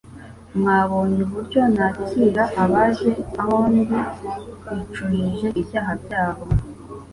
Mwabonye uburyo nakira abaje aho ndi bicujije ibyaha byabo.